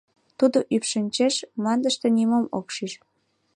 Тудо ӱпшынчеш, мландыште нимом ок шиж.